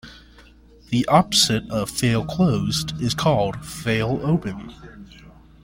The opposite of "fail-closed" is called "fail-open".